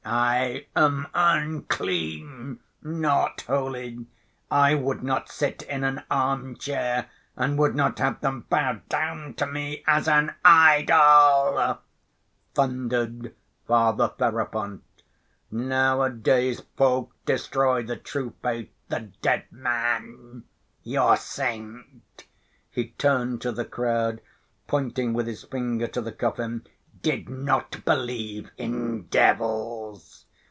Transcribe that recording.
"I am unclean, not holy. I would not sit in an arm‐chair and would not have them bow down to me as an idol," thundered Father Ferapont. "Nowadays folk destroy the true faith. The dead man, your saint," he turned to the crowd, pointing with his finger to the coffin, "did not believe in devils.